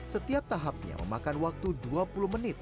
setiap tahapnya memakan waktu dua puluh menit